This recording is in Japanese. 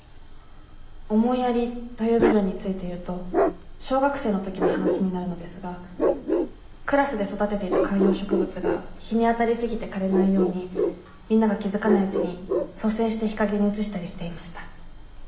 思いやりという部分について言うと小学生の時の話になるのですがクラスで育てていた観葉植物が日に当たり過ぎて枯れないようにみんなが気付かないうちに率先して日陰に移したりしていました。